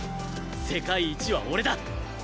世界一は俺だ！